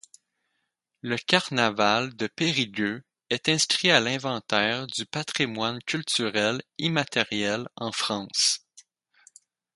Le carnaval de Périgueux est inscrit à l'Inventaire du patrimoine culturel immatériel en France.